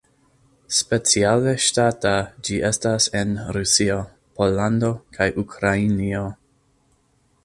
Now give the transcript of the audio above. Speciale ŝtata ĝi estas en Rusio, Pollando kaj Ukrainio.